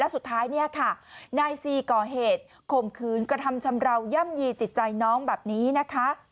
สุดท้ายเนี่ยค่ะนายซีก่อเหตุข่มขืนกระทำชำราวย่ำยีจิตใจน้องแบบนี้นะคะ